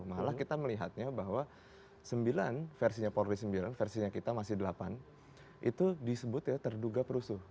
malah kita melihatnya bahwa sembilan versinya polri sembilan versinya kita masih delapan itu disebut ya terduga perusuh